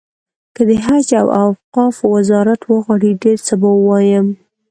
که د حج او اوقافو وزارت وغواړي ډېر څه به ووایم.